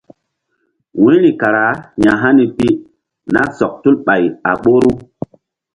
Wu̧yri kara ya̧hani pi nah sɔk tul ɓay a ɓoru.